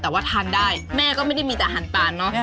แต่ว่าทานได้แม่ก็ไม่ได้มีแต่อาหารตาลเนอะ